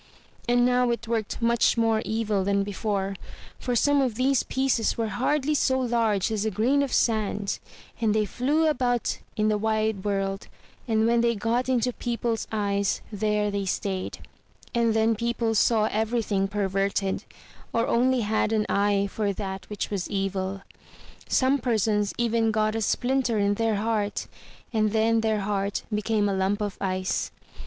And now it worked much more evil than before; for some of these pieces were hardly so large as a grain of sand, and they flew about in the wide world, and when they got into people's eyes there they stayed; and then people saw everything perverted, or only had an eye for that which was evil. Some persons even got a splinter in their heart, and then their heart became a lump of ice.